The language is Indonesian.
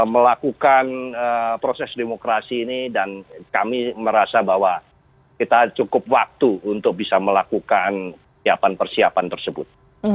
melakukan proses demokrasi ini dan kami merasa bahwa kita cukup waktu untuk bisa melakukan siapan persiapan tersebut